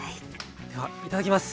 ではいただきます。